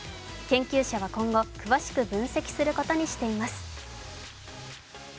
研究者は今後、詳しく分析することにしています。